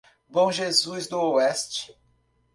Bom Jesus do Oeste